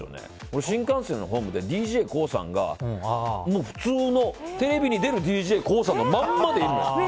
俺、新幹線のホームでＤＪＫＯＯさんが普通のテレビに出るＤＪＫＯＯさんのまんまでいるの。